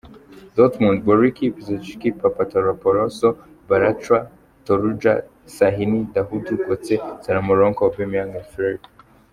Dortmund: Bürki; Piszczek, Papastathopoulos, Bartra, Toljan; Şahin, Dahoud, Götze; Yarmolenko, Aubameyang, Philipp.